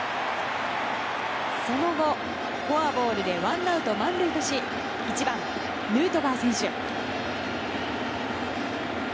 その後、フォアボールでワンアウト満塁とし１番、ヌートバー選手。